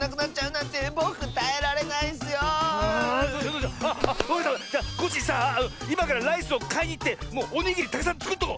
じゃコッシーさあいまからライスをかいにいってもうおにぎりたくさんつくっとこう！